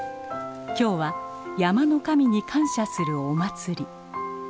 今日は山の神に感謝するお祭り。